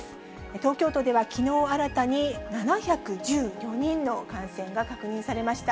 東京都ではきのう新たに７１４人の感染が確認されました。